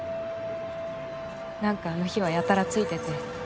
何かあの日はやたらついてて。